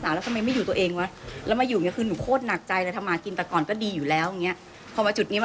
ทุกอย่างค่ะแล้วจากบ้านของแล้วมีบรรทาชนฯ